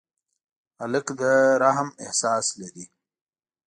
هلک د رحم احساس لري.